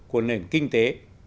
của nền kinh tế